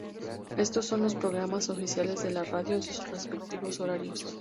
Estos son los programas oficiales de la radio en sus respectivos horarios.